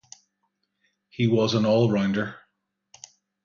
He was an all-rounder.